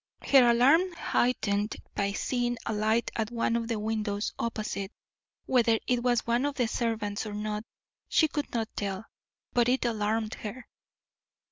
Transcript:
Her alarm heightened by seeing a light at one of the windows opposite: whether it was one of the servants or not, she could not tell; but it alarmed her.